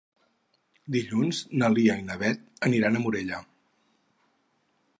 Dilluns na Lia i na Beth aniran a Morella.